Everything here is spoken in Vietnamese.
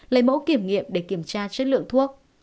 lấy mẫu kiểm nghiệm để kiểm tra chất lượng thuốc